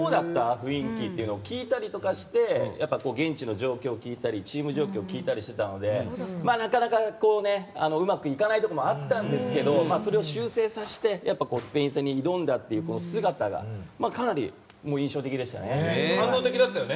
雰囲気とか聞いたりとかして現地の状況やチーム状況を聞いたりしていたのでなかなかうまくいかないところもあったんですけどそれを修正させてスペイン戦に挑んだというこの姿がかなり、印象的でしたね。